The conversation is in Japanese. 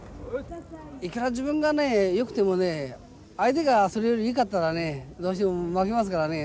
いくら自分がよくてもね相手がそれよりいかったらねどうしても負けますからね。